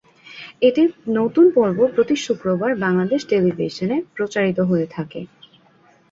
এটির নতুন পর্ব প্রতি শুক্রবার বাংলাদেশ টেলিভিশনে প্রচারিত হয়ে থাকে।